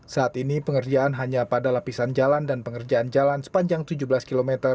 saat ini pengerjaan hanya pada lapisan jalan dan pengerjaan jalan sepanjang tujuh belas km